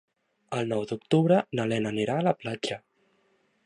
El nou d'octubre na Lena anirà a la platja.